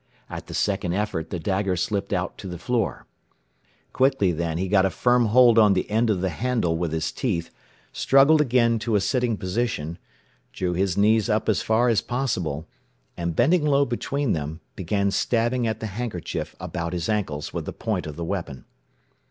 At the second effort the dagger slipped out to the floor. Quickly then he got a firm hold on the end of the handle with his teeth, struggled again to a sitting position, drew his knees up as far as possible, and bending low between them, began stabbing at the handkerchief about his ankles with the point of the weapon.